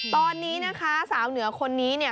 ตอนนี้นะคะสาวเหนือคนนี้เนี่ย